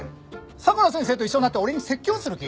相良先生と一緒になって俺に説教する気？